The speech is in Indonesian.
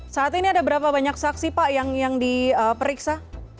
saat ini ada berapa banyak saksi pak yang diperiksa